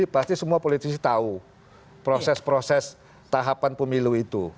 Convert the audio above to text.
pasti semua politisi tahu proses proses tahapan pemilu itu